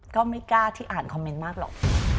ก็ไม่กล้าที่อ่านคอมเมนต์มากหรอก